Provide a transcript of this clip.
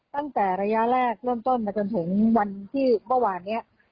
ตั้งแต่ระยะแรกเริ่มต้นมาจนถึงวันที่เมื่อวานนี้